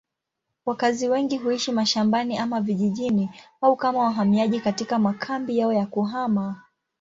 Wakazi wengi huishi mashambani ama vijijini au kama wahamiaji katika makambi yao ya kuhama.